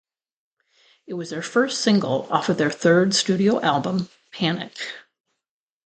It was their first single off of their third studio album "Panic".